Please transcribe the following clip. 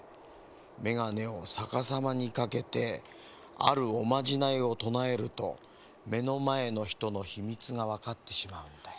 メガネをさかさまにかけてあるおまじないをとなえるとめのまえのひとのひみつがわかってしまうんだよ。